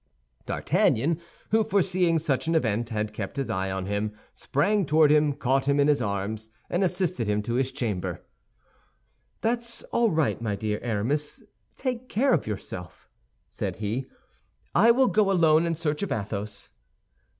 D'Artagnan, who, foreseeing such an event, had kept his eye on him, sprang toward him, caught him in his arms, and assisted him to his chamber. "That's all right, my dear Aramis, take care of yourself," said he; "I will go alone in search of Athos."